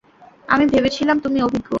আমি ভেবেছিলাম তুমি অভিজ্ঞ।